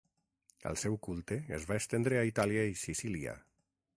El seu culte es va estendre a Itàlia i Sicília.